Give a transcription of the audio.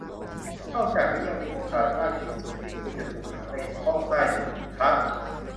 นอกจากนี้ยังมีโอกาสมากที่สุดที่คุณจะถูกขังอยู่ในห้องใต้ดินอีกครั้ง